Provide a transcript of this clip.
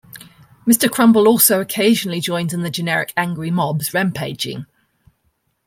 Mr Crumble also occasionally joins in the generic angry mob's rampaging.